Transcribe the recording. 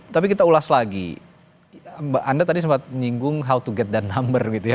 tapi kita ulas lagi anda tadi sempat menyinggung how to get dan number gitu ya